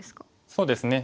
そうですね